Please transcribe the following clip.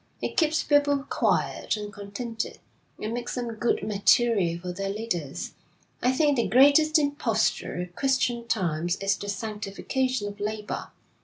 It keeps people quiet and contented. It makes them good material for their leaders. I think the greatest imposture of Christian times is the sanctification of labour.